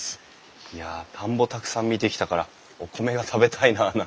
いや田んぼたくさん見てきたからお米が食べたいななんて。